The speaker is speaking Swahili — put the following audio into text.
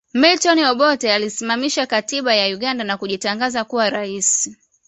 Milton Obote aliisimamisha katiba ya Uganda na kujitangaza kuwa rais